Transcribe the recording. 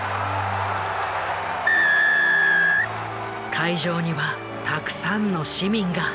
会場にはたくさんの市民が。